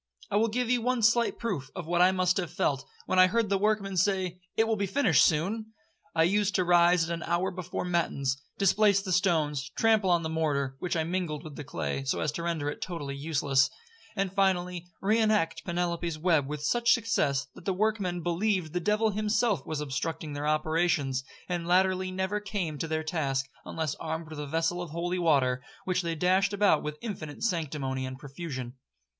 I will give you one slight proof of what I must have felt, when I heard the workmen say, 'It will be finished soon.' I used to rise at an hour before matins, displace the stones, trample on the mortar, which I mingled with the clay, so as to render it totally useless; and finally, re act Penelope's web with such success, that the workmen believed the devil himself was obstructing their operations, and latterly never came to their task unless armed with a vessel of holy water, which they dashed about with infinite sanctimony and profusion.